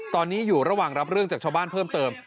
ตอนนี้อยู่ระหว่างรับเรื่องจากชาวบ้านเพิ่มเติม